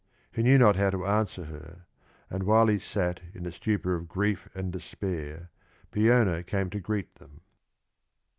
He knew not how to answer her, and while he sat in a stupor of grief and despair Peona came to greet them.